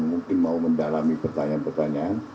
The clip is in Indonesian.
mungkin mau mendalami pertanyaan pertanyaan